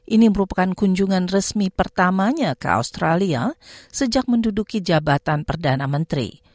ini merupakan kunjungan resmi pertamanya ke australia sejak menduduki jabatan perdana menteri